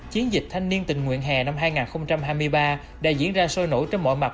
chiến dịch thanh niên tình nguyện hè năm hai nghìn hai mươi ba đã diễn ra sôi nổi trên mọi mặt